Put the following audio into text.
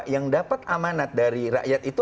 yang dapat amanat dari rakyat itu